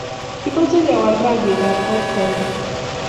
Kimache kewal rangik abb kot karun